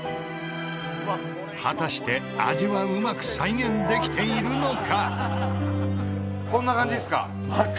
果たして味はうまく再現できているのか？